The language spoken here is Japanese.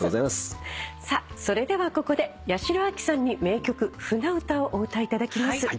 さあそれではここで八代亜紀さんに名曲『舟唄』をお歌いいただきます。